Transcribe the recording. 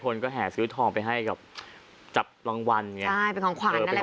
คนก็แห่งซื้อทองไปให้กับจับรางวัลไงใช่เป็นของขวานอะไรแบบเกิด